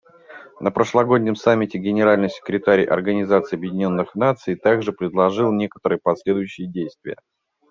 На прошлогоднем Саммите Генеральный секретарь Организации Объединенных Наций также предложил некоторые последующие действия.